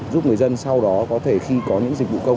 giúp người dân sau đó có thể khi có những dịch vụ công